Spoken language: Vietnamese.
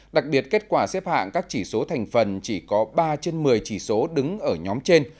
đặc biệt kết quả xếp hạng các chỉ số thành phần chỉ có ba trên một mươi chỉ số đứng ở nhóm trên